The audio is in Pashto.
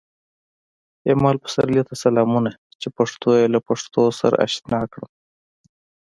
ایمل پسرلي ته سلامونه چې پښتو یې له پښتو سره اشنا کړم